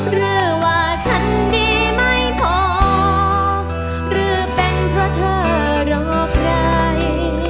หรือว่าฉันดีไม่พอหรือเป็นเพราะเธอรอใคร